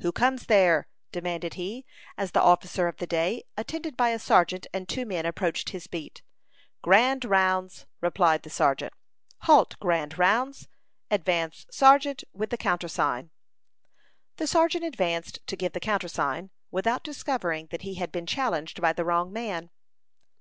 "Who comes there?" demanded he, as the officer of the day, attended by a sergeant and two men, approached his beat. "Grand rounds," replied the sergeant. "Halt, grand rounds! Advance, sergeant, with the countersign." The sergeant advanced to give the countersign, without discovering that he had been challenged by the wrong man.